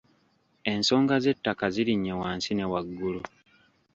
Ensonga z'ettaka zirinye wansi ne waggulu.